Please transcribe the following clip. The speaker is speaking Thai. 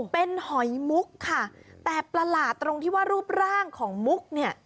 เป็นหอยมุกค่ะแต่ประหลาดตรงที่ว่ารูปร่างของมุกเนี่ย